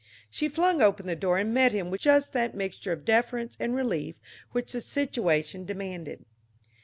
She flung open the door and met him with just that mixture of deference and relief which the situation demanded.